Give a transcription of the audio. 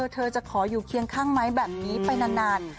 เธอจะขออยู่เคียงข้างไม้แบบนี้ไปนาน